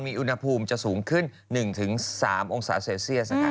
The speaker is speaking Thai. มีอุณหภูมิจะสูงขึ้น๑๓องศาเซลเซียส